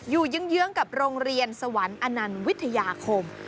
เยื้องกับโรงเรียนสวรรค์อนันต์วิทยาคม